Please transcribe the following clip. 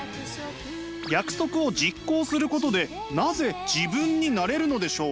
約束を実行することでなぜ自分になれるのでしょう？